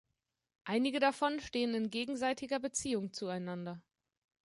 Einige davon stehen in gegenseitiger Beziehung zueinander.